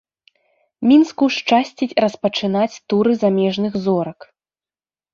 Мінску шчасціць распачынаць туры замежных зорак.